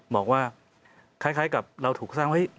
บอกว่าคล้ายกับเราถูกสร้างเฮ้ย